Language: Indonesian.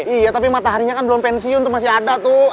iya tapi mataharinya kan belum pensiun itu masih ada tuh